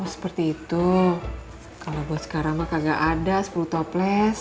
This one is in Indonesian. oh seperti itu kalau buat sekarang mak nggak ada sepuluh toples